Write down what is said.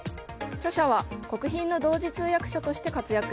著者は国賓の同時通訳者として活躍。